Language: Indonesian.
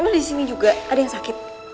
lo disini juga ada yang sakit